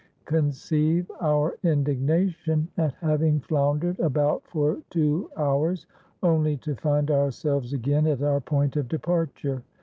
Conceive our indignation at having floundered about for two hours only to find ourselves again at our point of departure!